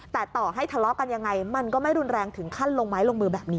แต่ต่อให้ทะเลาะกันยังไงมันก็ไม่รุนแรงถึงขั้นลงไม้ลงมือแบบนี้